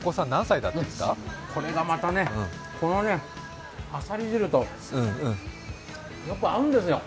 これがまた、このあさり汁とよく合うんですよ。